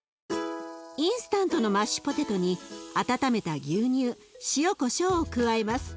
インスタントのマッシュポテトに温めた牛乳塩こしょうを加えます。